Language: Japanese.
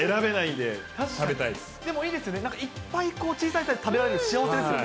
でもいいですね、いっぱい小さいサイズ、食べられるの幸せですよね。